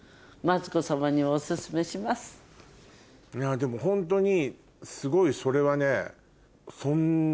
でもホントにすごいそれはね。